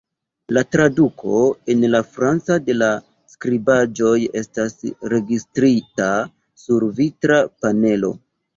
La traduko en la franca de la skribaĵoj estas registrita sur vitra panelo.